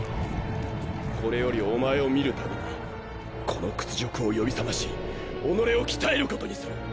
これよりおまえを見るたびにこの屈辱を呼び覚まし己を鍛えることにする！